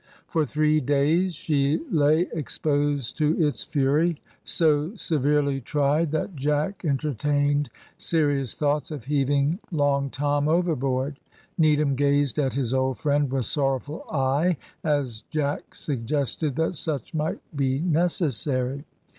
For three days she lay exposed to its fury, so severely tried that Jack entertained serious thoughts of heaving Long Tom overboard. Needham gazed at his old friend with sorrowful eye, as Jack suggested that such might be necessary.